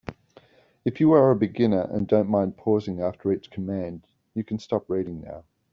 If you are a beginner and don't mind pausing after each command, you can stop reading now.